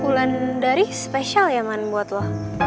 bulan dari spesial ya man buat lo